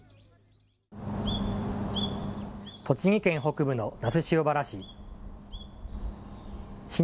栃木県北部の那須塩原市。